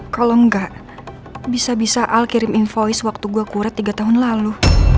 kalo engga bisa bisa al kirim invoice waktu gue kuret tiga tahun lalu